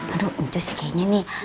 aduh cus kayaknya nih